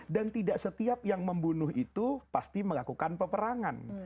dan tidak setiap yang membunuh itu pasti melakukan peperangan